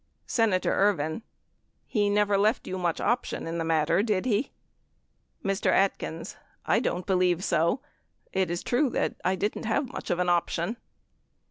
Senator Ervin. He never left you much option in the mat ter, did he ? Mr. Atkins. I don't believe so. It is true that I didn't have much of an option.